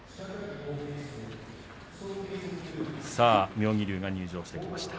妙義龍が入場してきました。